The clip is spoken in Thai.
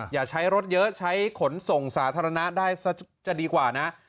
อย่าใช้รถเยอะใช้ขนส่งสาธารณะได้จะดีกว่านะ